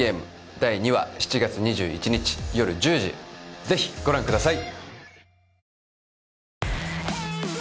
第２話７月２１日よる１０時ぜひご覧ください